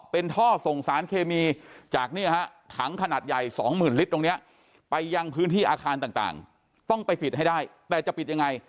ไปยังพื้นที่อาคารต่างต้องไปปิดให้ได้แต่จะปิดยังไง